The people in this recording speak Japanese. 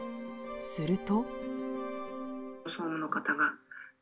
すると。